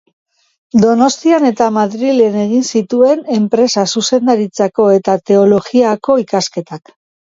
Donostian eta Madrilen egin zituen Enpresa Zuzendaritzako eta Teologiako ikasketak.